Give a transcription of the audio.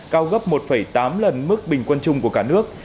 cao gấp một tám lần mức bình quân chung của cả nước